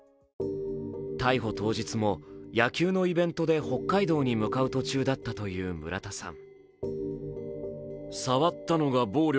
逮捕当日も、野球のイベントで北海道に向かう途中だったという村田さん。